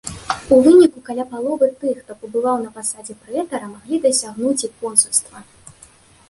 У выніку каля паловы тых, хто пабываў на пасадзе прэтара, маглі дасягнуць і консульства.